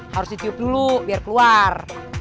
harus ditiup dulu biar keluar